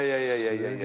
いやいやいやいや。